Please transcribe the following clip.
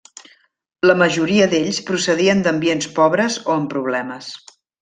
La majoria d'ells procedien d'ambients pobres o amb problemes.